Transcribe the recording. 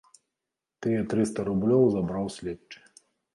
Тыя трыста рублёў забраў следчы.